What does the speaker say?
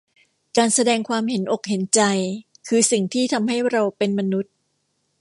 การแสดงความเห็นอกเห็นใจคือสิ่งที่ทำให้เราเป็นมนุษย์